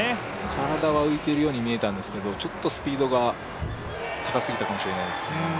体は浮いているように見えたんですけど、ちょっとスピードが高すぎたのかもしれないですね。